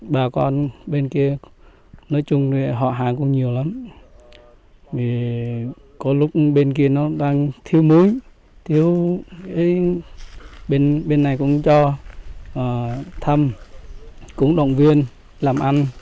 bà con bên kia nói chung họ hàng cũng nhiều lắm có lúc bên kia nó đang thiếu mối bên này cũng cho thăm cũng động viên làm ăn